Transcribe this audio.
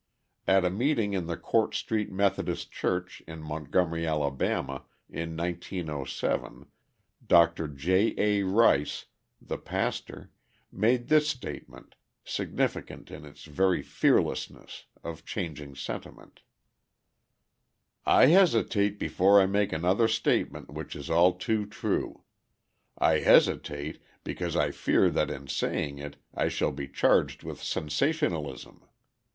At a meeting in the Court Street Methodist Church in Montgomery, Ala., in 1907, Dr. J. A. Rice, the pastor, made this statement, significant in its very fearlessness, of changing sentiment: "I hesitate before I make another statement which is all too true. I hesitate, because I fear that in saying it I shall be charged with sensationalism.